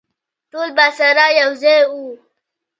ټول به سره یوځای وو.